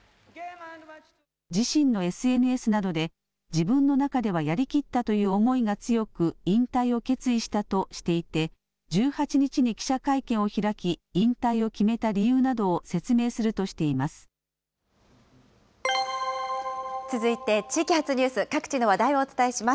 自身のＳＮＳなどで、自分の中ではやりきったという思いが強く、引退を決意したとしていて、１８日に記者会見を開き、引退を決めた理由などを説明する続いて地域発ニュース、各地の話題をお伝えします。